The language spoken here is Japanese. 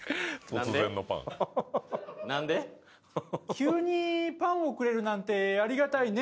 「急にパンをくれるなんてありがたいね」